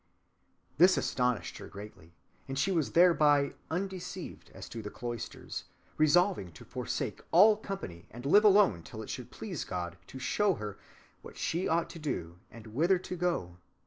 _ "This astonished her greatly, and she was thereby undeceived as to the cloisters, resolving to forsake all company and live alone till it should please God to show her what she ought to do and whither to go.